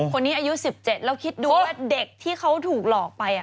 อายุ๑๗แล้วคิดดูว่าเด็กที่เขาถูกหลอกไป